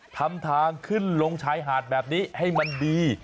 ทำทางขึ้นลงชายหาดแบบนี้ให้มันดี